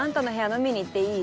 飲みに行っていい？